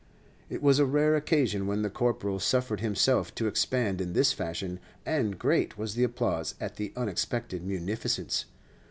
It was a rare occasion when the Corporal suffered himself to expand in this fashion, and great was the applause at the unexpected munificence.